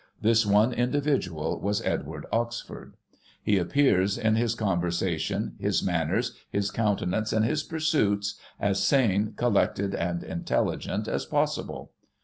This one individual was Edward Oxford. He ap pears in his conversation, his manners, his countenance and his pursuits, as sane, collected, and intelligent as possible.